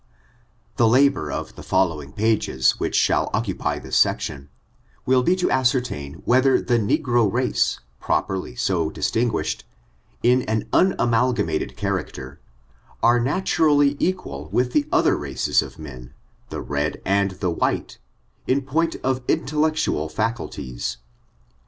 The labor of the following pages which shall oc cupy this section, will be to ascertain whether the ne gro race, properly so distinguished, in an unamalgam ated character, are naturally equal with the other 804 ORIQIN| CHARACTEB, AND races of men, the red and the white, in point of intel* lectual faculties.